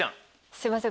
すいません